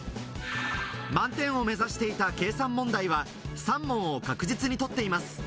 満点を目指していた計算問題は３問を確実に取っています。